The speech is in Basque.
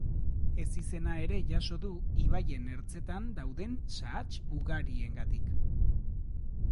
Ezizena ere jaso du ibaien ertzetan dauden sahats ugariengatik.